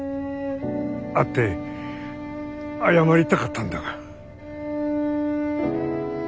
会って謝りたかったんだが。